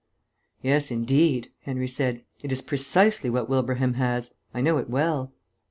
"Yes, indeed," Henry said. "It is precisely what Wilbraham has. I know it well."